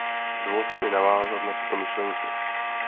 Dovolte mi navázat na tuto myšlenku.